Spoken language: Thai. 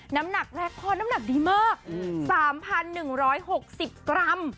น้ำหนักแรกพ่อน้ำหนักดีมาก๓๑๖๐กรัม